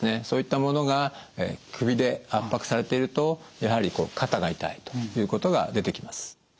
そういったものが首で圧迫されているとやはり肩が痛いということが出てきます。